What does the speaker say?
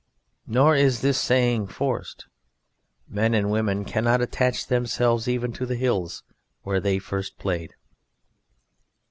Nor is this saying forced. Men and women cannot attach themselves even to the hills where they first played.